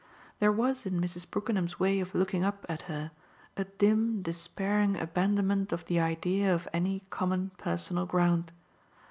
There was in Mrs. Brookenham's way of looking up at her a dim despairing abandonment of the idea of any common personal ground.